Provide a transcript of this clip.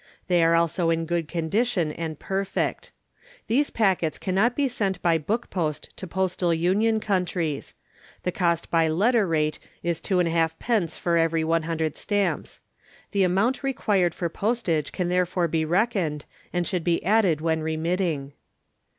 They are also in good condition and perfect._ These Packets cannot be sent by book post to Postal Union Countries. The cost by letter rate is 2 1/2d. for every 100 Stamps. The amount required for postage can therefore be reckoned, and should be added when remitting.